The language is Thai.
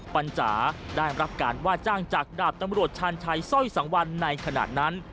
ปัญจ๋าได้รับการว่าจ้างจากดาบตำรวจชาญชัยสร้อยสังวันในขณะนั้น